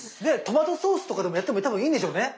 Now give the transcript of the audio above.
トマトソースとかでもやっても多分いいんでしょうね？